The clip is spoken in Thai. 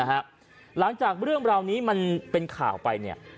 หลังจากเรื่องราวนี้มันเป็นข่าวไปเนี่ย